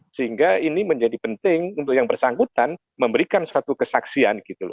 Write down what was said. sehingga ini menjadi penting untuk yang bersangkutan memberikan suatu kesaksian gitu loh